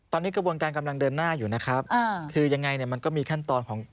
ตอนนี้กระบวนการกำลังเดินหน้าอยู่นะครับอ่าคือยังไงเนี่ยมันก็มีขั้นตอนของ